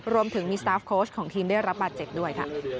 รวมถึงมีสตาฟโค้ชของทีมได้รับบาดเจ็บด้วยค่ะ